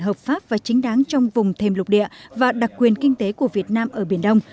hợp pháp và chính đáng trong vùng thềm lục địa và đặc quyền kinh tế của việt nam ở biển đông